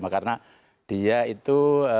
karena dia itu